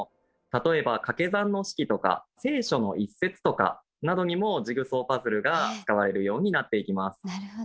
例えばかけ算の式とか「聖書」の一節とかなどにもジグソーパズルが使われるようになっていきます。